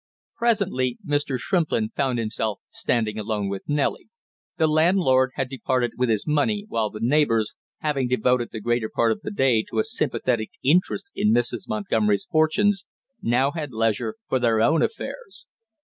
Presently Mr. Shrimplin found himself standing alone with Nellie; the landlord had departed with his money, while the neighbors, having devoted the greater part of the day to a sympathetic interest in Mrs. Montgomery's fortunes, now had leisure for their own affairs.